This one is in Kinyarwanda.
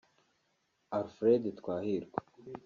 Alfred Twahirwa